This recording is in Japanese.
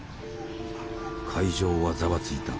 会場はざわついた。